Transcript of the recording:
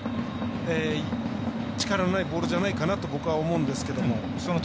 力のないボールじゃないかなと僕は思うんですけど。